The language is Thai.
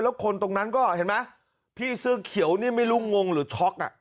แล้วคนตรงนั้นก็เห็นไหมพี่เสื้อเขียวนี่ไม่รู้งงหรือช็อกอ่ะ